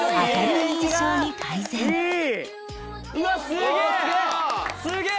うわっすげえ！